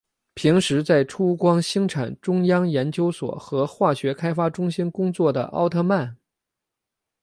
平时在出光兴产中央研究所和化学开发中心工作的奥特曼。